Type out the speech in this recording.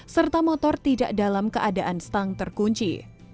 serta motor tidak dalam keadaan stang terkunci